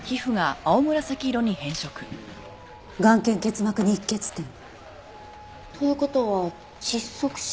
眼瞼結膜に溢血点。という事は窒息死？